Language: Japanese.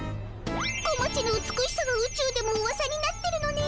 小町の美しさはうちゅうでもうわさになってるのね。